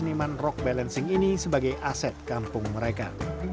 dan menjaga karya seniman rock balancing ini sebagai aset kampung mereka